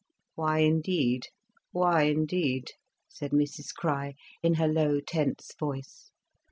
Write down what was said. "Why indeed, why indeed!" said Mrs Crich, in her low, tense voice.